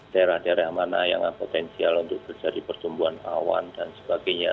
daerah daerah mana yang potensial untuk terjadi pertumbuhan awan dan sebagainya